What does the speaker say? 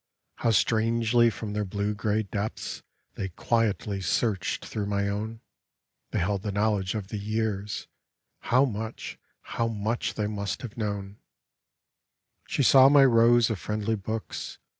How strangely from their blue grey depths They quietly searched through my own; They held the knowledge of the years — How much, how much they must have known I She saw my rows of friendly books.